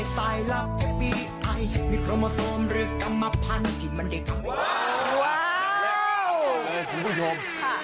จู๋ยไหม